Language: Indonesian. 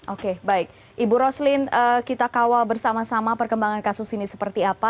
oke baik ibu roslin kita kawal bersama sama perkembangan kasus ini seperti apa